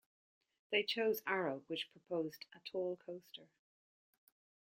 They chose Arrow, which proposed a -tall coaster.